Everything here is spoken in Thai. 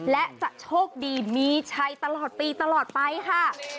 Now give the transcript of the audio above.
และจะโชคดีมีชัยตลอดปีตลอดไปค่ะ